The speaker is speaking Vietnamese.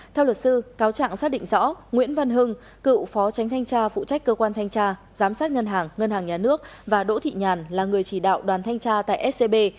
theo luật sư cáo trạng xác định rõ nguyễn văn hưng cựu phó tránh thanh tra phụ trách cơ quan thanh tra giám sát ngân hàng ngân hàng nhà nước và đỗ thị nhàn là người chỉ đạo đoàn thanh tra tại scb